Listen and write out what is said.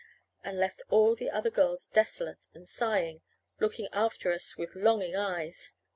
_ and left all the other girls desolate and sighing, looking after us with longing eyes.